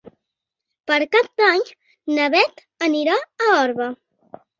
Per Cap d'Any na Beth anirà a Orba.